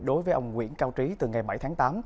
đối với ông nguyễn cao trí từ ngày bảy tháng tám